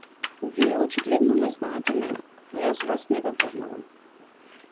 Вие очигледно ме знаете мене, но јас вас не ве познавам.